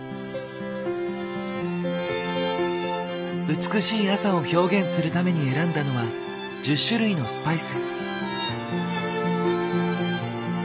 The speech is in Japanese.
美しい朝を表現するために選んだのは１０種類のスパイス。